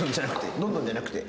「どんどん」じゃなくて。